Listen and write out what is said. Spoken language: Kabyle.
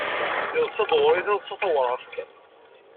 Yeḍsa-d ɣer-i taḍsa tawraɣt.